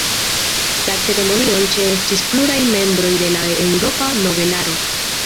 La ceremonion ĉeestis pluraj membroj de la eŭropa nobelaro.